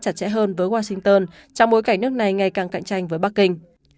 chặt chẽ hơn với washington trong bối cảnh nước này ngày càng cạnh tranh với bắc kinh